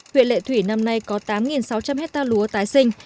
huyện lệ thủy năm nay có tám sáu trăm linh hectare lúa tái sinh